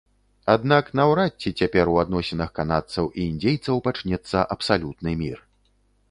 Аднак наўрад ці цяпер у адносінах канадцаў і індзейцаў пачнецца абсалютны мір.